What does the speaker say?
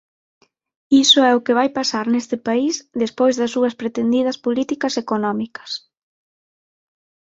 Iso é o que vai pasar neste país despois das súas pretendidas políticas económicas.